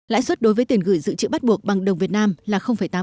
lãi suất đối với tiền gửi dự trữ bắt buộc bằng đồng việt nam là tám